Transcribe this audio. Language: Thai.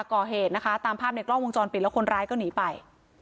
ก่อเหตุนะคะตามภาพในกล้องวงจรปิดแล้วคนร้ายก็หนีไป